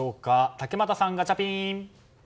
竹俣さん、ガチャピン！